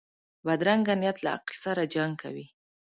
بدرنګه نیت له عقل سره جنګ کوي